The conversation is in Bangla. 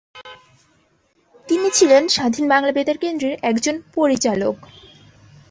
তিনি ছিলেন স্বাধীন বাংলা বেতার কেন্দ্রের একজন পরিচালক।